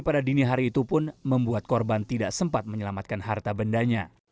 pada dini hari itu pun membuat korban tidak sempat menyelamatkan harta bendanya